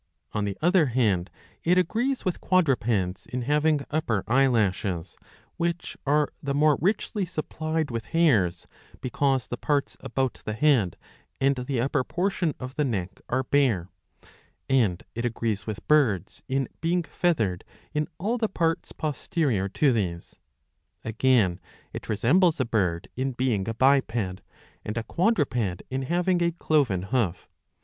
^ On the other hand it agrees with quadrupeds in having upper eyelashes,^ which are the more richly supplied with hairs because the parts about the head and the upper portion of the neck are bare ;^ and it agrees with birds in being feathered in all the parts posterior to these. Again it resembles a bird in being a biped, and a quadruped in having a cloven hoof.